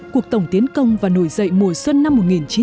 cuộc tổng tiến công và nổi dậy mùa xuân năm một nghìn chín trăm bảy mươi năm